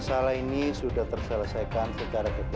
masalah ini sudah terselesaikan secara ketat